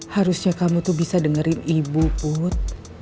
harusnya kamu tuh bisa dengerin ibu put